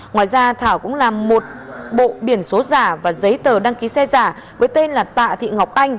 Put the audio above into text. ngoài ra thảo cũng làm một bộ biển số giả và giấy tờ đăng ký xe giả với tên là tạ thị ngọc anh